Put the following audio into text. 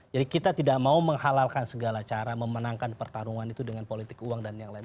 jadi kita tidak mau menghalalkan segala cara memenangkan pertarungan itu dengan politik uang dan yang lain